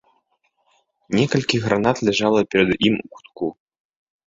Некалькі гранат ляжала перад ім у кутку.